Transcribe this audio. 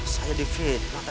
saya di fitnah ternyata